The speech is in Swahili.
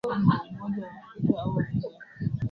wanafanya matambiko kwa kunywa pombe na kula nyama za mbuzi